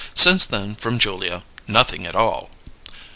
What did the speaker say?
Since then from Julia nothing at all!